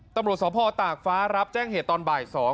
ตำรวจสภตากฟ้ารับแจ้งเหตุตอนบ่าย๒